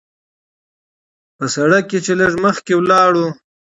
پۀ سړک چې لږ مخکښې لاړو